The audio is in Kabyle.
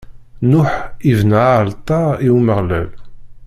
Nuḥ ibna aɛalṭar i Umeɣlal.